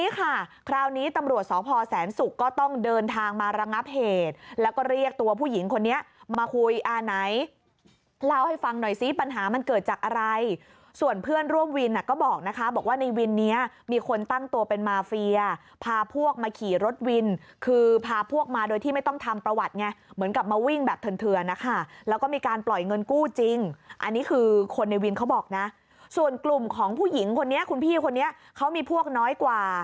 มาคุยอ่าไหนเล่าให้ฟังหน่อยซิปัญหามันเกิดจากอะไรส่วนเพื่อนร่วมวินก็บอกนะคะบอกว่าในวินนี้มีคนตั้งตัวเป็นมาเฟียพาพวกมาขี่รถวินคือพาพวกมาโดยที่ไม่ต้องทำประวัติไงเหมือนกับมาวิ่งแบบเถินนะคะแล้วก็มีการปล่อยเงินกู้จริงอันนี้คือคนในวินเขาบอกนะส่วนกลุ่มของผู้หญิงคนนี้คุณพี่คนนี้เขามีพวกน้อยก